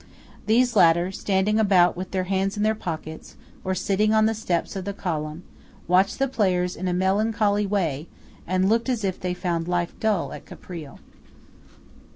These latter, standing about with their hands in their pockets, or sitting on the steps of the column, watched the players in a melancholy way, and looked as if they found life dull at Caprile.